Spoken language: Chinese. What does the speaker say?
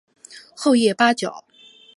厚叶八角